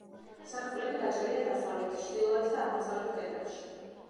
სარკმლები გაჭრილია დასავლეთ, ჩრდილოეთ და აღმოსავლეთ კედლებში.